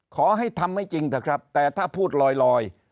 ขอให้ทำให้จริงแต่ครับแต่ถ้าพูดลอย